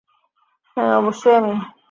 হ্যাঁ, অবশ্যই আমি।